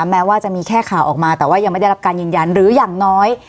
แม้ว่าจะมีแค่ข่าวออกมาแต่ว่ายังไม่ได้รับการยืนยันหรืออย่างน้อย